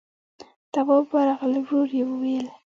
تواب ورغی، ورو يې وويل: